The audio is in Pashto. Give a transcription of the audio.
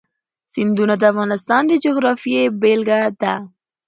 سیندونه د افغانستان د جغرافیې بېلګه ده.